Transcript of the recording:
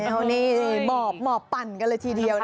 ใช่แล้วนี่หมอบปั่นกันเลยทีเดียวนะฮะ